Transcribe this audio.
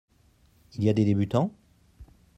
Il y a des débutants ?